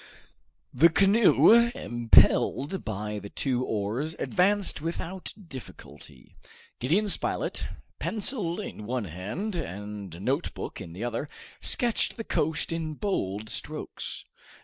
The canoe, impelled by the two oars, advanced without difficulty. Gideon Spilett, pencil in one hand and notebook in the other, sketched the coast in bold strokes.